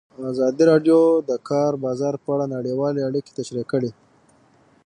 ازادي راډیو د د کار بازار په اړه نړیوالې اړیکې تشریح کړي.